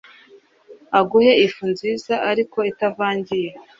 aguhe ifu nziza ariko itavangiye,